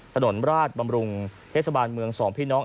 ถนนราชบำรุงเทศบาลเมืองสองพี่น้อง